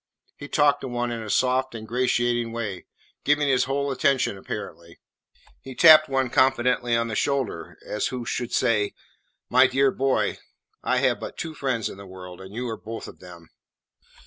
He talked to one in a soft, ingratiating way, giving his whole attention apparently. He tapped one confidentially on the shoulder, as who should say, "My dear boy, I have but two friends in the world, and you are both of them."